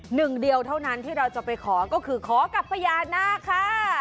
หนึ่งเดียวเท่านั้นที่เราจะไปขอก็คือขอกับพญานาคค่ะ